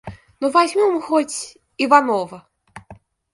Но возьмем хоть Иванова.